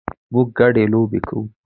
موږ ګډه لوبې کوو